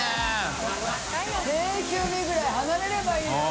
久本）定休日ぐらい離れればいいのに。